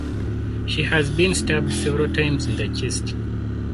She had been stabbed several times in the chest.